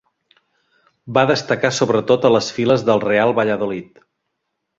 Va destacar sobretot a les files del Real Valladolid.